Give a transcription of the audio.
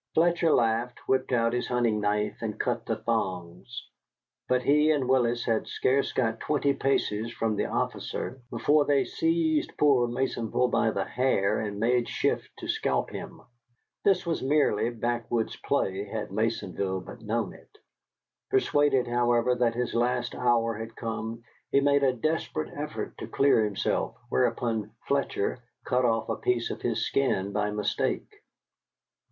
Fletcher laughed, whipped out his hunting knife, and cut the thongs; but he and Willis had scarce got twenty paces from the officer before they seized poor Maisonville by the hair and made shift to scalp him. This was merely backwoods play, had Maisonville but known it. Persuaded, however, that his last hour was come, he made a desperate effort to clear himself, whereupon Fletcher cut off a piece of his skin by mistake.